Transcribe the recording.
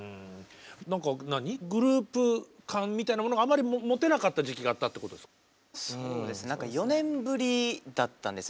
何かグループ感みたいなものがあまり持てなかった時期があったってことですか？